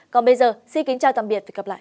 còn bây giờ xin kính chào tạm biệt và hẹn gặp lại